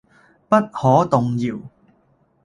不可動搖